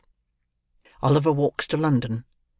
OLIVER WALKS TO LONDON.